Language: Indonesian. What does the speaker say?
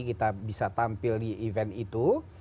kita bisa tampil di event itu